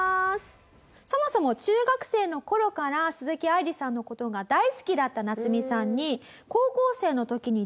そもそも中学生の頃から鈴木愛理さんの事が大好きだったナツミさんに。